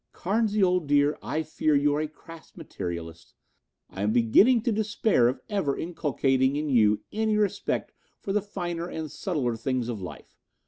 "Carnesy, old dear, I fear that you are a crass materialist. I am beginning to despair of ever inculcating in you any respect for the finer and subtler things of life.